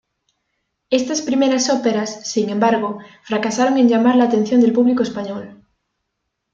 Estas primeras óperas, sin embargo, fracasaron en llamar la atención del público español.